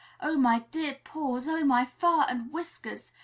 Oh, my dear paws! Oh, my fur and whiskers!